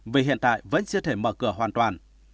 vì hiện tại vẫn chưa thể mở cửa hoàn toàn